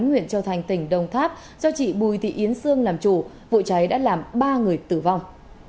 huyện châu thành tỉnh đồng tháp do chị bùi thị yến sương làm chủ vụ cháy đã làm ba người tử vong